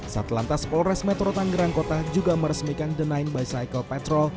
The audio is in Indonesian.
saat lantas polres metro tangerang kota juga meresmikan the nine bicycle patrol